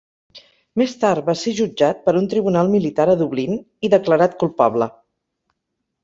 Més tard va ser jutjat per un tribunal militar a Dublín i declarat culpable.